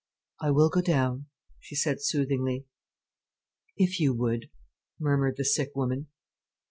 "I will go down," she said soothingly. "If you would," murmured the sick woman.